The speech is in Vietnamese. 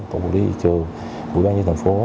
cục quản lý thị trường cục quản lý thành phố